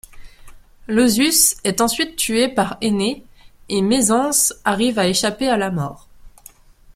Lausus est ensuite tué par Énée et Mézence arrive à échapper à la mort.